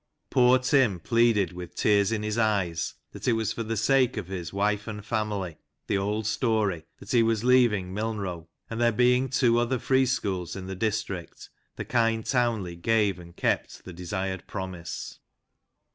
Poor Tim pleaded with tears in his eyes that it was for the sake of his '* wife and family" — the old story — that he was leaving Milnrow, and, there being two other free schools in the district, the kind Townley gave and kept the desired promise.